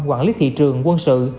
quản lý thị trường quân sự